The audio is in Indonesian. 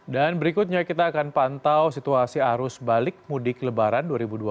dan berikutnya kita akan pantau situasi arus balik mudik lebaran dua ribu dua puluh empat